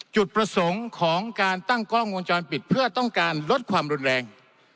จุดประสงค์ของการตั้งกล้องวงจรปิดเพื่อต้องการลดความรุนแรง